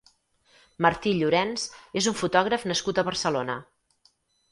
Martí Llorens és un fotògraf nascut a Barcelona.